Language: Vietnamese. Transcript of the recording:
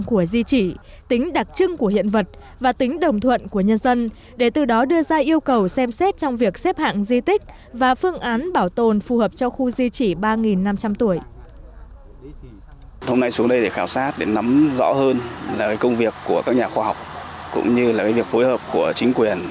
tính đặc trưng của di trì tính đặc trưng của hiện vật và tính đồng thuận của nhân dân để từ đó đưa ra yêu cầu xem xét trong việc xếp hạng di tích và phương án bảo tồn phù hợp cho khu di trì ba năm trăm linh tuổi